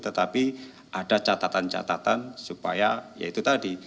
tetapi ada catatan catatan supaya ya itu tadi